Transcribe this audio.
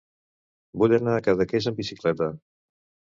Vull anar a Cadaqués amb bicicleta.